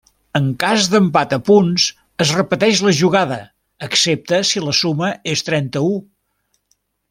En cas d'empat a punts es repeteix la jugada excepte si la suma és trenta-u.